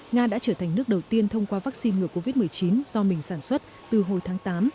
nga đã trở thành nước đầu tiên thông qua vaccine ngừa covid một mươi chín do mình sản xuất từ hồi tháng tám